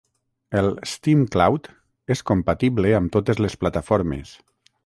El Steam Cloud és compatible amb totes les plataformes.